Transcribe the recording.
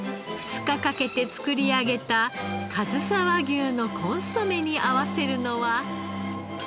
二日かけて作り上げたかずさ和牛のコンソメに合わせるのは。